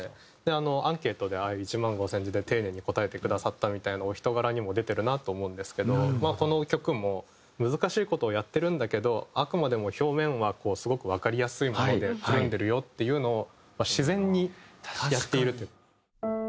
アンケートでああいう１万５０００字で丁寧に答えてくださったみたいなお人柄にも出てるなと思うんですけどこの曲も難しい事をやってるんだけどあくまでも表面はすごくわかりやすいもので包んでるよっていうのを自然にやっているという。